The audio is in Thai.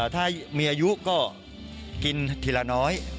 ถ้ามีอายุก็กินทีละน้อย